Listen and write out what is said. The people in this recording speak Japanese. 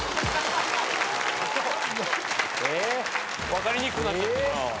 分かりにくくなっちゃってるな。